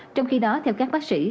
trong khi đó theo các bác sĩ